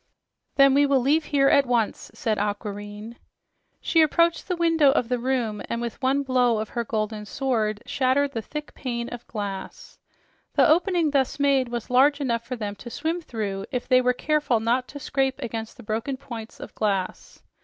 "Then we will leave here at once," said Aquareine. She approached the window of the room and with one blow of her golden sword shattered the thick pane of glass. The opening thus made was large enough for them to swim through if they were careful not to scrape against the broken points of glass.